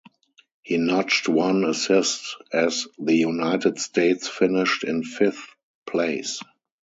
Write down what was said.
He notched one assist as the United States finished in fifth place.